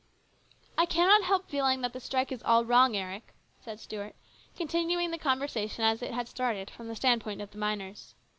" I cannot help feeling that this strike is all wrong, Eric," said Stuart, continuing the conversation as it had started from the standpoint of the miners.